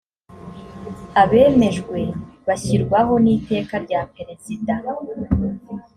abemejwe bashyirwaho n’iteka rya perezida